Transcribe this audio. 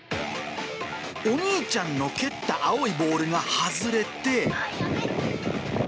お兄ちゃんの蹴った青いボールが外れて、やべっ！